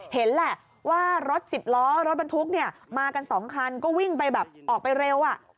เห็นแหละว่ารถสิบล้อรถบรรทุกเนี่ยมากัน๒คันก็วิ่งไปแบบออกไปเร็ว